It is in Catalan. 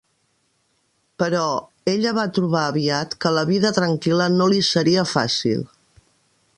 Però, ella va trobar aviat que la vida tranquil·la no li seria fàcil.